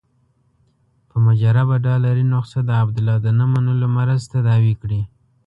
په مجربه ډالري نسخه د عبدالله د نه منلو مرض تداوي کړي.